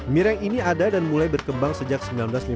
mireng ini ada dan mulai berkembang sejak seribu sembilan ratus lima puluh